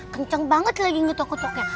kenceng banget lagi ketok ketoknya